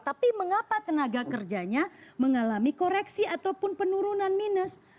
tapi mengapa tenaga kerjanya mengalami koreksi ataupun penurunan minus